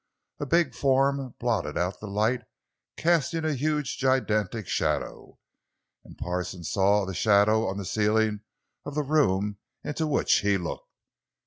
A big form blotted out the light, casting a huge, gigantic shadow; and Parsons saw the shadow on the ceiling of the room into which he looked.